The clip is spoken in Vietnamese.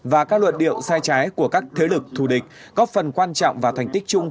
và các luận điệu sai trái của các thế lực thù địch góp phần quan trọng vào thành tích chung